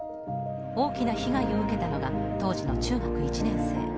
大きな被害を受けたのが当時の中学１年生。